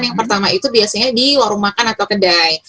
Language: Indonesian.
yang pertama itu biasanya di warung makan atau kedai